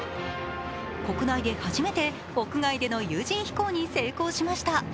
国内で初めて屋外での有人飛行に成功しました。